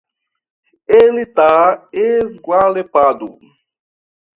Ele tá esgualepado